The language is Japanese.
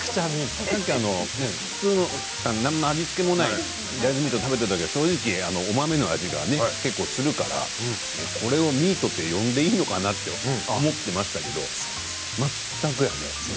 普通の何の味付けもない大豆ミートを食べたとき正直、お豆の味が結構するからこれをミートと呼んでいいのかなと思っていましたけれど全くやね。